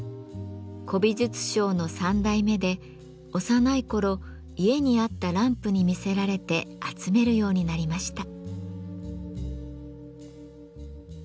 古美術商の３代目で幼い頃家にあったランプに魅せられて集めるようになりました。